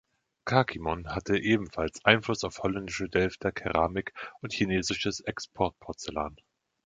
Kakiemon hatte ebenfalls Einfluss auf holländische Delfter Keramik und chinesisches Exportporzellan.